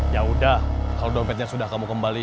ya udah kalau dompetnya sudah kamu kembali